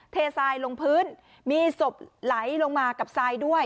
ทรายลงพื้นมีศพไหลลงมากับทรายด้วย